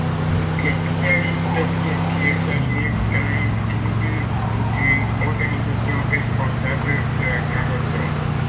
Les spécialistes estiment qu'il s'agit d'un individu ou d'une organisation responsable de la transaction.